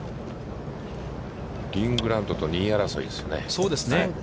リン・グラントと２位争いですよね。